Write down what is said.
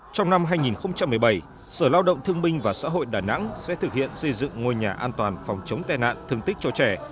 trong năm hai nghìn một mươi bảy sở lao động thương minh và xã hội đà nẵng sẽ thực hiện xây dựng ngôi nhà an toàn phòng chống tai nạn thương tích cho trẻ